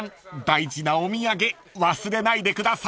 大事なお土産忘れないでください］